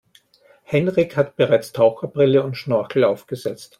Henrik hat bereits Taucherbrille und Schnorchel aufgesetzt.